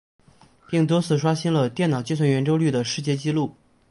并多次刷新了电脑计算圆周率的世界纪录。